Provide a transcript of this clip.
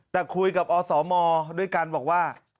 แต่คุยกับอสมด้วยกันบอกว่า